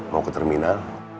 mau ke terminal